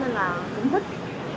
nên là cũng thích